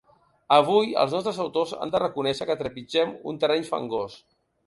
Avui els nostres autors han de reconèixer que trepitgem un terreny fangós.